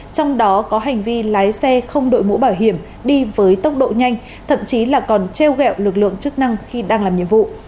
trong đó có hành vi lái xe không đội mũ bảo hiểm đi với tốc độ nhanh thậm chí là còn treo gẹo lực lượng chức năng khi đang làm nhiệm vụ